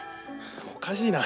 おかしいな。